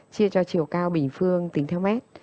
chia cho chiều cao bình phương tính theo mét